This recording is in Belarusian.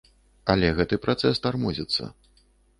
Але гэты працэс тармозіцца.